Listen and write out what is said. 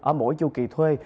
ở mỗi chu kỳ thuê